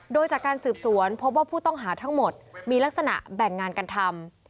โดยจากการสืบสวนพบว่าผู้ต้องหาทั้งหมดมีลักษณะแบ่งงานกันทำ